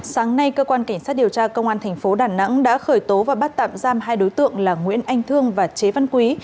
sáng nay cơ quan cảnh sát điều tra công an thành phố đà nẵng đã khởi tố và bắt tạm giam hai đối tượng là nguyễn anh thương và chế văn quý